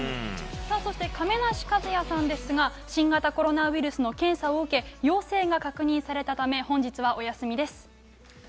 そして、亀梨和也さんですが新型コロナウイルスの検査を受け陽性が確認されたため本日はお休みです。